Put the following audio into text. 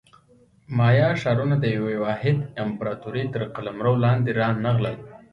مایا ښارونه د یوې واحدې امپراتورۍ تر قلمرو لاندې رانغلل.